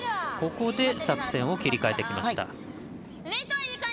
ここで作戦を切り替えてきました。